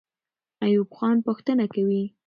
ایوب خان پوښتنه کوي.